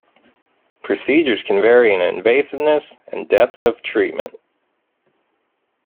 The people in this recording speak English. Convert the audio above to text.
Procedures can vary in invasiveness and depth of treatment.